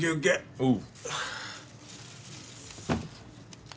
うん。